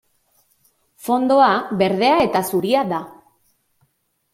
Fondoa berdea eta zuria da.